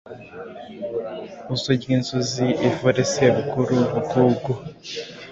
uze urye inzuzi ivure. Sebuguru ubugugu: